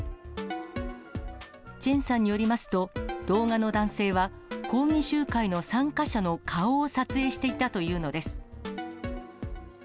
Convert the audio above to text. チェンさんによりますと、動画の男性は、抗議集会の参加者の顔を撮影していたというのです。